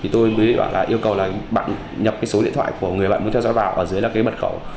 tôi mới yêu cầu bạn nhập số điện thoại của người bạn muốn theo dõi vào ở dưới là bật khẩu